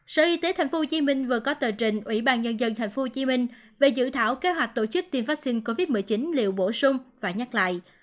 sở y tế tp hcm vừa có tờ trình ủy ban nhân dân tp hcm về dự thảo kế hoạch tổ chức tiêm vaccine covid một mươi chín liệu bổ sung và nhắc lại